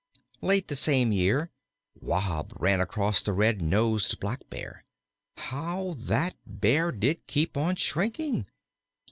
Late the same year Wahb ran across the red nosed Blackbear. How that Bear did keep on shrinking!